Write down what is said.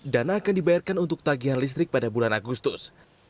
dana akan dibayarkan untuk tagihan listrik pada bulan agustus